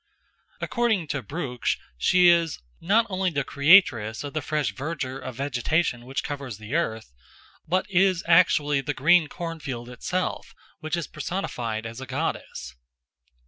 According to Brugsch she is "not only the creatress of the fresh verdure of vegetation which covers the earth, but is actually the green corn field itself, which is personified as a goddess."